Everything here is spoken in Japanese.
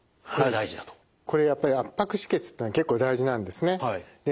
これやっぱり圧迫止血っていうのは結構大事なんですね。